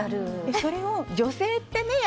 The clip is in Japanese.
それを、女性ってね